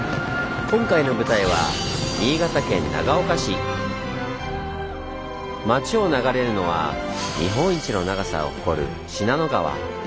今回の舞台は町を流れるのは日本一の長さを誇る信濃川。